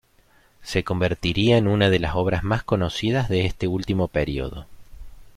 Se convertiría en una de las obras más conocidas de este último periodo.